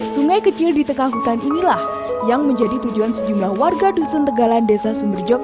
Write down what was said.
sungai kecil di tengah hutan inilah yang menjadi tujuan sejumlah warga dusun tegalan desa sumberjok